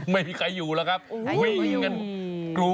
ไม่มีใครอยู่ละครับ